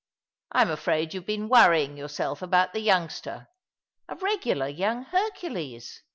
I'm afraid you've been worrying yourself about the youngster— a regular young Hercules.